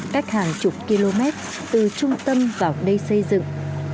cách hàng chục km từ trung tâm vào đây xây dựng